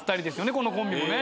このコンビもね。